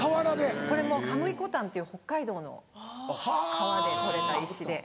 これも神居古潭っていう北海道の川で取れた石で。